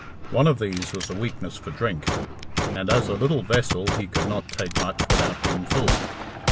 One of these was a weakness for drink, and as a little vessel he could not take much without being full.